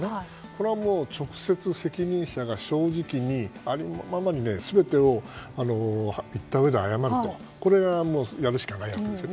これは直接、責任者が正直にありのままに全てを言ったうえで謝るとこれはやるしかないわけです。